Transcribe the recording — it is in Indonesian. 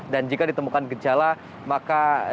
dan jika ditemukan gejala maka ditemukan